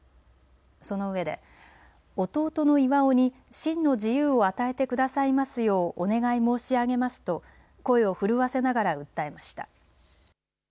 その上で、弟の巌に真の自由を与えてくださいますようお願い申し上げますと声を震わせながら訴えました。